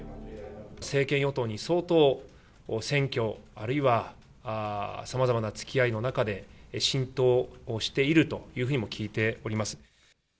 政権与党に相当選挙、あるいはさまざまなつきあいの中で、浸透をしているというふうにも聞いております。